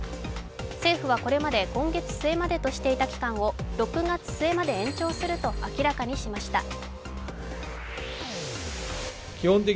政府はこれまで今月末までとしていた期間を６月末まで延長すると明らかにしました。